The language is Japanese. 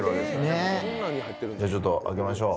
じゃあちょっと開けましょう。